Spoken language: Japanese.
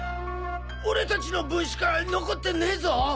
俺達の分しか残ってねえぞ！